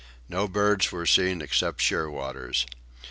No birds were seen except shearwaters.